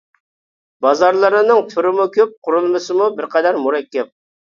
بازارلىرىنىڭ تۈرىمۇ كۆپ، قۇرۇلمىسىمۇ بىرقەدەر مۇرەككەپ.